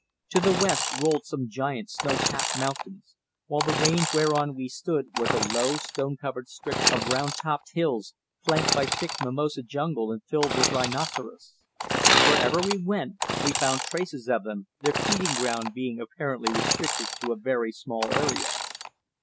To the west rolled some giant snow capped mountains, while the range whereon we stood was a low, stone covered stretch of round topped hills, flanked by thick mimosa jungle and filled with rhinoceros. Wherever we went, we found traces of them, their feeding ground being apparently restricted to a very small area.